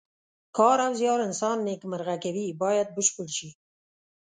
کار او زیار انسان نیکمرغه کوي باید بشپړ شي.